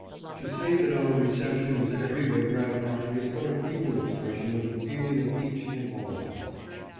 547 To say that our reception was every way gratifying is but a feeble expression of the feeling of each and all of us.